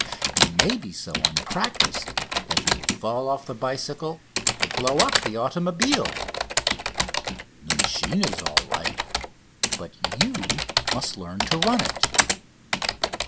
You may be so unpractised that you will fall off the bicycle or blow up the automobile. The machine is all right, but you must learn to run it.